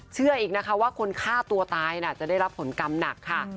เชื่ออีกนะคะว่าคนฆ่าตัวตายจะได้รับผลกรรมหนักค่ะ